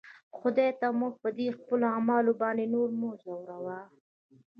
خدایه! ته موږ په دې خپلو اعمالو باندې نور مه ځوروه.